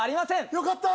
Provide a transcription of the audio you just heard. よかったー